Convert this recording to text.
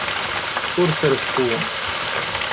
Ur treffu.